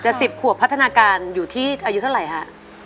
๑๐ขวบพัฒนาการอยู่ที่อายุเท่าไหร่ฮะ